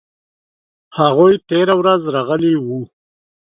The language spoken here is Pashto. هغوی تیره ورځ راغلي وو